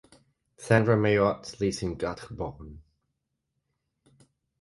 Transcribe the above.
Sandra Mayotte lives in Quatre Bornes.